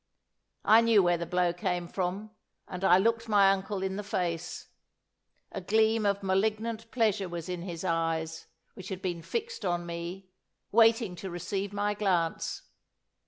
I knew where the blow came from, and I looked my uncle in the face; a gleam of malignant pleasure was in his eyes, which had been fixed on me, waiting to receive my glance.